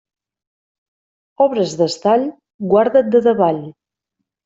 Obres d'estall, guarda't de davall.